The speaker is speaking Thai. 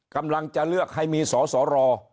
กำลังจะเลือกให้มีสอสอรอ